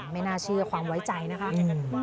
ไม่น่าเชื่อความไว้ใจนะคะ